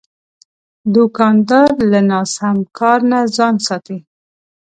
دوکاندار له ناسم کار نه ځان ساتي.